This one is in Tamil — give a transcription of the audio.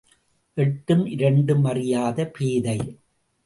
எட்டும் இரண்டும் அறியாத பேதை.